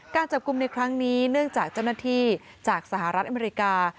การจับกลุ่มในครั้งนี้เนื่องจากเจ้าหน้าที่จากสหรัฐอเมริกา